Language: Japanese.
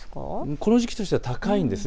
この時期としては高いんです。